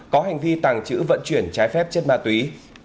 có hành vi tàng trữ vận chuyển trái phép chất ma túy